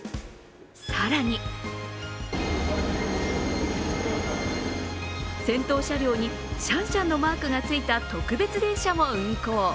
更に先頭車両にシャンシャンのマークがついた特別列車も運行。